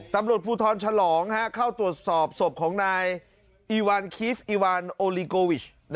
ตำรวจภูทรฉลองเข้าตรวจสอบศพของนายอีวานคิสอีวานโอลิโกวิช